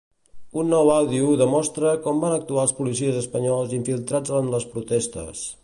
Un nou àudio demostra com van actuar els policies espanyols infiltrats en les protestes.